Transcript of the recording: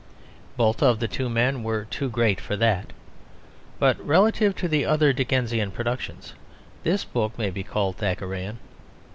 Both of the two men were too great for that. But relatively to the other Dickensian productions this book may be called Thackerayan.